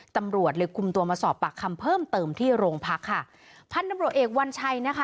ตำรวจเลยคุมตัวมาสอบปากคำเพิ่มเติมที่โรงพักค่ะพันธุ์ตำรวจเอกวัญชัยนะคะ